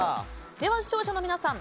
では視聴者の皆さん